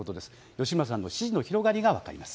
吉村さんの支持の広がりが分かります。